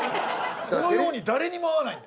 このように誰にも会わない。